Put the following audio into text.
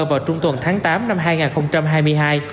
vào trung tuần tháng tám năm hai nghìn hai mươi hai